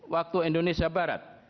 waktu indonesia barat